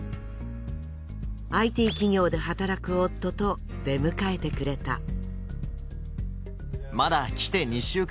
ＩＴ企業で働く夫と出迎えてくれた。